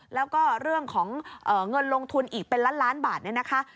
แล้วก็เรื่องของเงินลงทุนอีกเป็นล้านล้านบาทเนี่ยนะคะ